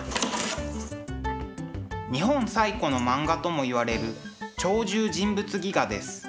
日本最古の漫画ともいわれる「鳥獣人物戯画」です。